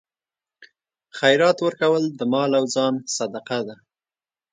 خیرات ورکول د مال او ځان صدقه ده.